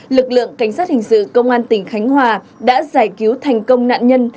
lực lượng cảnh sát hình sự công an tỉnh khánh hòa đã giải cứu thành công nạn nhân